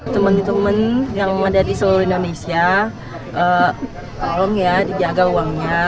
teman teman yang ada di seluruh indonesia tolong ya dijaga uangnya